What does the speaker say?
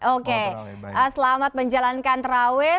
oke selamat menjalankan terawih